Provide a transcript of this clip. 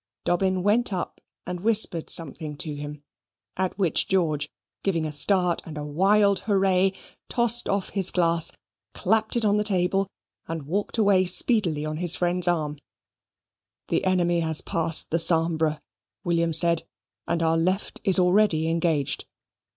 Dobbin went up and whispered something to him, at which George, giving a start and a wild hurray, tossed off his glass, clapped it on the table, and walked away speedily on his friend's arm. "The enemy has passed the Sambre," William said, "and our left is already engaged.